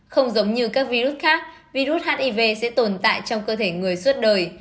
không giống như các virus khác virus hiv sẽ tồn tại trong cơ thể người suốt đời